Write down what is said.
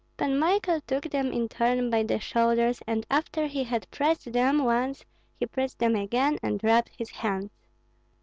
Pan Michael took them in turn by the shoulders, and after he had pressed them once he pressed them again and rubbed his hands.